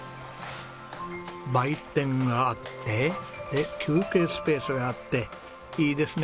売店があってで休憩スペースがあっていいですね